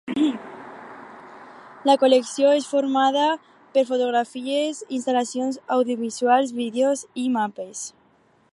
La col·lecció és formada per fotografies, instal·lacions audiovisuals, vídeos i mapes.